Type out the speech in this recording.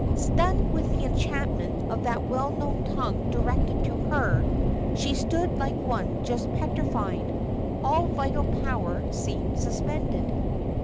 Stunned with the enchantment of that well known tongue directed to her, she stood like one just petrified all vital power seemed suspended.